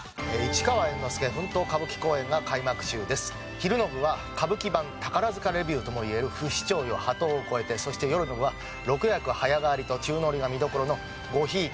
昼の部は歌舞伎版宝塚レビューともいえる『不死鳥よ波濤を越えて』そして夜の部は６役早替わりと宙乗りが見どころの『御贔屓馬』。